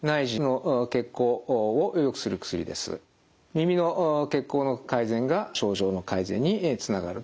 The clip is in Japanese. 耳の血行の改善が症状の改善につながると思われます。